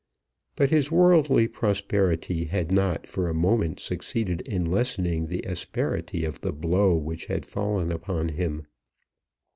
But his worldly prosperity had not for a moment succeeded in lessening the asperity of the blow which had fallen upon him.